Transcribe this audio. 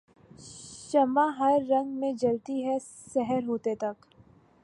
شمع ہر رنگ میں جلتی ہے سحر ہوتے تک